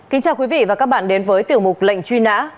kính chào quý vị và các bạn đến với tiểu mục lệnh truy nã